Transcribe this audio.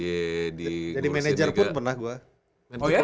jadi manajer purp pernah gue